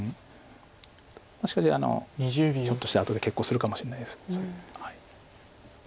しかしひょっとしたら後で決行するかもしれないです。